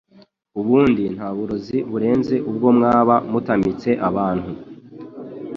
ubundi nta burozi burenze ubwo mwaba mutamitse abantu